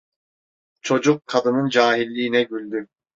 Çocuk, kadının cahilliğine güldü.